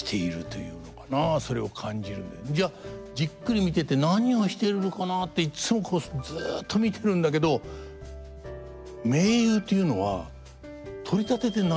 じゃあじっくり見てて何をしてるのかなっていっつもこうしてずっと見てるんだけど名優というのは取り立てて何もしてないんですよね。